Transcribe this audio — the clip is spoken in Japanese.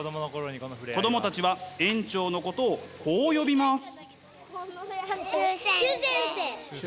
子供たちは園長のことをこう呼びます。